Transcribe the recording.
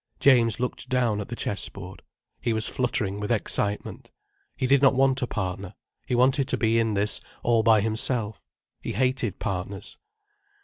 James looked down at the chessboard. He was fluttering with excitement. He did not want a partner. He wanted to be in this all by himself. He hated partners.